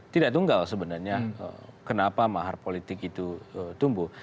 tidak tunggal sebenarnya kenapa mahar politik itu tumbuh